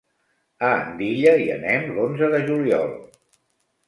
A Andilla hi anem l'onze de juliol.